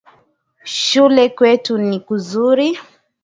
Shule kwetu ni kuzuri.